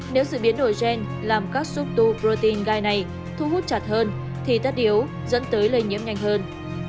nếu sự biến đổi gen làm các sub hai protein gai này thu hút chặt hơn thì tắt điếu dẫn tới lây nhiễm nhanh hơn